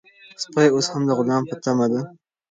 سپی اوس هم د غلام په تمه دی.